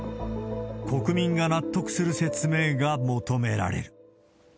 国民が納得する説明が求められる。